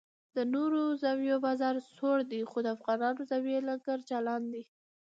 د نورو زاویو بازار سوړ دی خو د افغاني زاویې لنګر چالان دی.